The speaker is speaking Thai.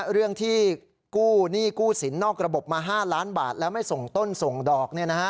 เรื่องที่กู้หนี้กู้สินนอกระบบมา๕ล้านบาทแล้วไม่ส่งต้นส่งดอก